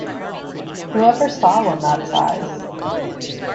Who ever saw one that size?